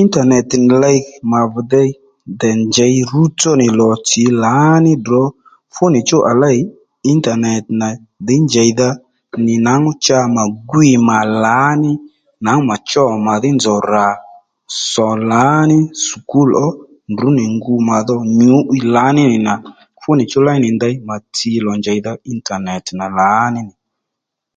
Intanet nì ley mà vi dey ndèy vi dey ndèy njěy rútso nì lò tsǐ lǎní ddrǒ fú nì chú à lêy intanet nà dhǐy njèydha nì nwǎngú mà gwîy mà lǎní nwǎngú mà chô màdhí nzòw rà sò lǎní skul ó ndrǔ nì ngu màdho nyǔ'wiy lǎní nì nà fú nì chú ley nì ndèy mà tsi nì lò njèydha intanet nà lǎní